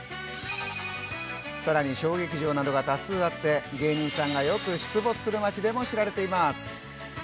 さらに小劇場などが多数あって、芸人さんがよく出没する街でも知られています。